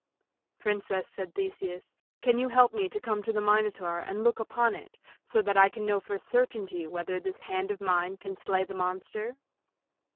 "Princess," said Theseus, "can you help me to come to the Minotaur and look upon it so that I can know for certainty whether this hand of mine can slay the monster?"